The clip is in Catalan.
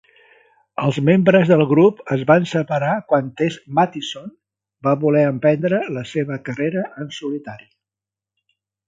Els membres del grup es van separar quan Tess Mattisson va voler emprendre la seva carrera en solitari.